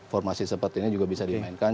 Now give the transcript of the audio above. formasi seperti ini juga bisa dimainkan